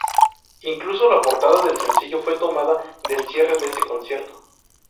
Incluso la portada del sencillo fue tomada del cierre de ese concierto.